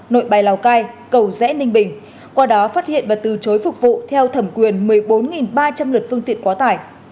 nội bài lào cai cầu rẽ ninh bình qua đó phát hiện và từ chối phục vụ theo thẩm quyền một mươi bốn ba trăm linh lượt phương tiện quá tải